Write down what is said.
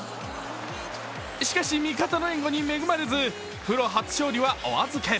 しかし、味方の援護に恵まれず、プロ初勝利はお預け。